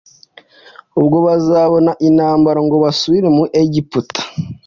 ubwo bazabona intambara, ngo basubire mu egiputa.”